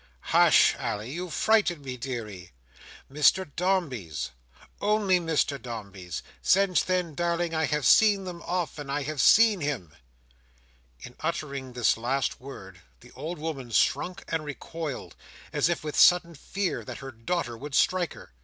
"Hush, Ally; you frighten me, deary. Mr Dombey's—only Mr Dombey's. Since then, darling, I have seen them often. I have seen him." In uttering this last word, the old woman shrunk and recoiled, as if with sudden fear that her daughter would strike her.